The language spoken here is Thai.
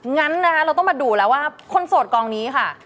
งั้นนะคะเราต้องมาดูแล้วว่าคนโสดกองนี้ค่ะ